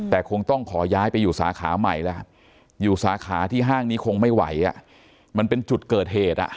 แต่คงต้องขอย้ายไปอยู่สาขาใหม่แล้วอยู่สาขาที่ห้างนี้คงไม่ไหวมันเป็นจุดเกิดเหตุ